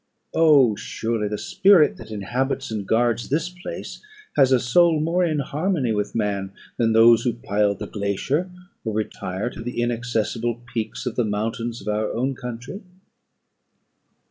Oh, surely, the spirit that inhabits and guards this place has a soul more in harmony with man, than those who pile the glacier, or retire to the inaccessible peaks of the mountains of our own country."